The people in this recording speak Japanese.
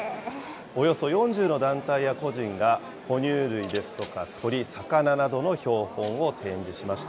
およそ４０の団体や個人が、哺乳類ですとか、鳥、魚などの標本を展示しました。